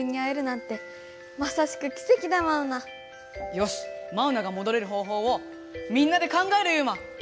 よしマウナがもどれる方法をみんなで考えるユウマ！